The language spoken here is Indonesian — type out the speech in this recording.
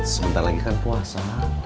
sebentar lagi kan puasa